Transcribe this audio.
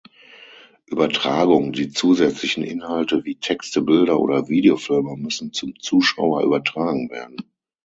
Übertragung: Die zusätzlichen Inhalte wie Texte, Bilder oder Videofilme müssen zum Zuschauer übertragen werden.